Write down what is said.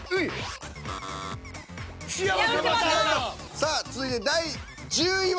さあ続いて第１０位は。